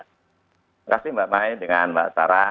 terima kasih mbak miayai dengan mbak tara